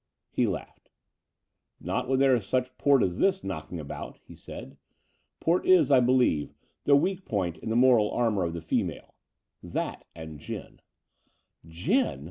He laughed. Not when there is such port as this knocking about," he said. Port is, I believe, the weak point in the moral armour of the female — that and gin." Gin!"